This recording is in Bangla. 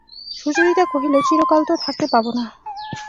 সুচরিতা কহিল, চিরকাল তো থাকতে পাব না।